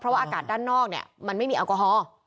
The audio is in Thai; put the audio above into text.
เพราะว่าอากาศด้านนอกเนี่ยมันไม่มีแอลกอฮอล์